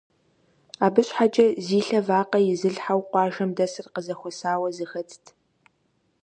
Абы щхьэкӀэ зи лъэ вакъэ изылъхьэу къуажэм дэсыр къызэхуэсауэ зэхэтт.